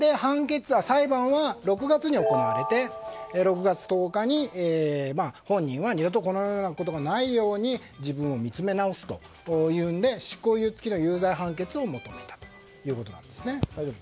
裁判は、６月に行われて６月１０日に本人は、二度とこのようなことがないように自分を見つめ直すというので執行猶予付きの有罪判決を求めたということです。